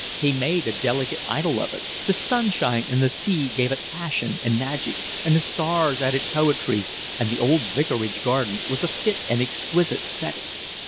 He made a delicate idyl of it: the sunshine and the sea gave it passion and magic, and the stars added poetry, and the old vicarage garden was a fit and exquisite setting.